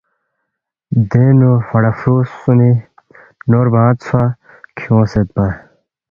دینگ نُو فڑا فرُو خسُومی سی نور بانگ ژھوا کھیونگسیدپا